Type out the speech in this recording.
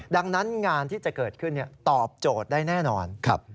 ดังนั้นงานที่จะเกิดขึ้นตอบโจทย์ได้แน่นอน